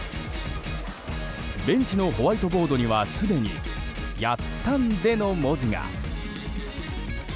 ベンチのホワイトボードにはすでに「ＹＡＴＡＮＤＥ」の文字が。